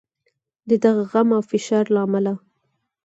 د دغه غم او فشار له امله.